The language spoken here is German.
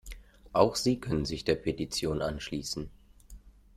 Auch Sie können sich der Petition anschließen.